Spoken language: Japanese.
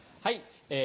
はい。